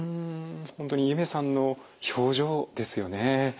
本当にゆめさんの表情ですよね。